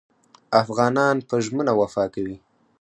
افغانان په ژمنه وفا کوي.